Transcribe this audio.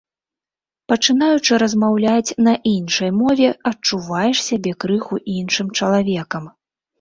Пачынаючы размаўляць на іншай мове, адчуваеш сябе крыху іншым чалавекам.